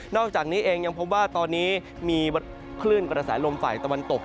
อกจากนี้เองยังพบว่าตอนนี้มีคลื่นกระแสลมฝ่ายตะวันตก